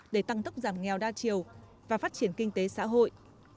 để tăng tốc giảm nghèo đa chiều và phát triển kinh tế xã hội